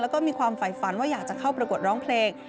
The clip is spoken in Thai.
แล้วก็มีความฝ่ายฝันว่าอยากจะเข้าประกวดร้องเพลง